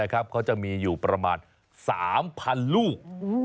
เขาจะมีอยู่ประมาณ๓๐๐๐ลูก